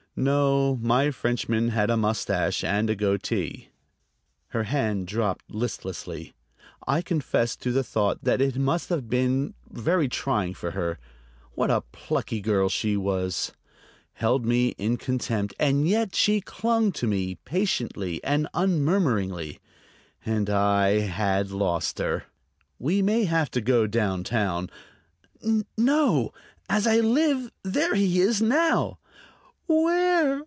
"No; my Frenchman had a mustache and a goatee." Her hand dropped listlessly. I confess to the thought that it must have been very trying for her. What a plucky girl she was! She held me in contempt, and yet she clung to me, patiently and unmurmuring. And I had lost her! "We may have to go down town.... No! as I live, there he is now!" "Where?"